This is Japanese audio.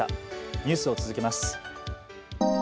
ニュースを続けます。